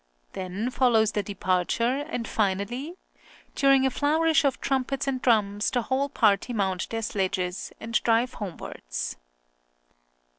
Then follows the departure, and, finally: During a flourish of trumpets and drums, the whole party mount their sledges and drive homewards.